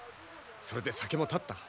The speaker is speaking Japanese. それで酒も断った。